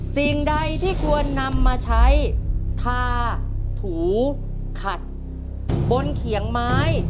สิ่งใดที่ควรนำมาใช้ทาถูขัดบนเขียงไม้